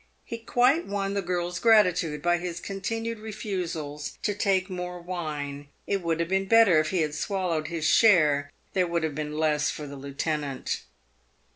He quite won the girl's gratitude by his continued refusals to take more wine. It would have been better if he had swallowed his share ; there would have been less for the lieutenant.